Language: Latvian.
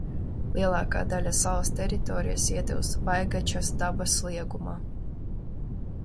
Lielākā daļa salas teritorijas ietilpst Vaigačas dabas liegumā.